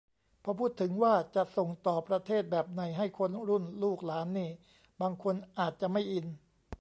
พอพูดถึงว่าจะส่งต่อประเทศแบบไหนให้คนรุ่นลูกหลานนี่บางคนอาจจะไม่อิน